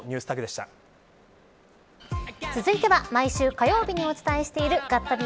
続いては毎週火曜日にお伝えしているガッタビ！！